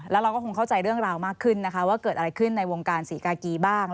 แล้วเราก็คงเข้าใจเรื่องราวมากขึ้นนะคะว่าเกิดอะไรขึ้นในวงการศรีกากีบ้าง